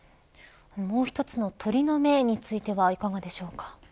もう１つの鳥の目についてはいかがでしょうか。